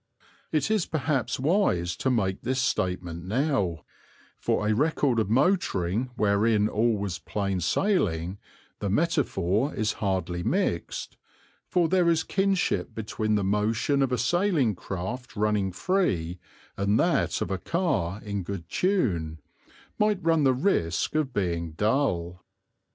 It is perhaps wise to make this statement now, for a record of motoring wherein all was plain sailing the metaphor is hardly mixed, for there is kinship between the motion of a sailing craft running free and that of a car in good tune might run the risk of being dull.